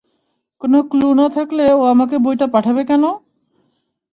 কোন ক্লু না থাকলে ও আমাকে বইটা পাঠাবে কেন?